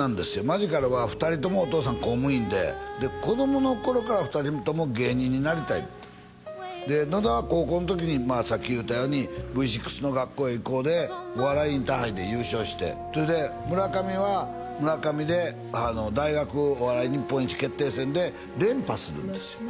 マヂカルは２人ともお父さん公務員で子供の頃から２人とも芸人になりたいってで野田は高校の時にさっき言うたようにＶ６の「学校へ行こう！」でお笑いインターハイで優勝してそれで村上は村上で大学お笑い日本一決定戦で連覇するんですよ